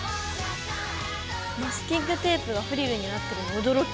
マスキングテープがフリルになってるの驚き！